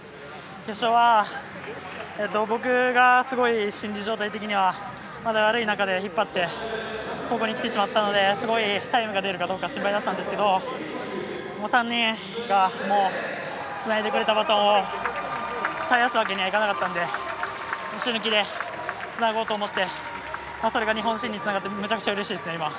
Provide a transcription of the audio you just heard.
決勝は僕がすごい心理状態的には悪い中で引っ張ってここにきてしまったのですごいタイムが出るか心配だったんですけど３人がつないでくれたバトンを絶やすわけにはいかなかったので死ぬ気でつなごうと思ってそれが日本新につながってめちゃくちゃうれしいです、今。